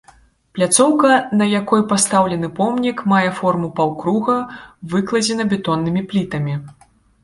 Пляцоўка, на якой пастаўлены помнік, мае форму паўкруга, выкладзена бетоннымі плітамі.